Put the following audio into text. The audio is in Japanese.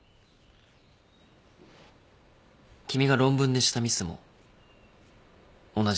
君が論文でしたミスも同じ理由だった。